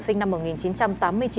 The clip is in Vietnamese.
sinh năm một nghìn chín trăm tám mươi chín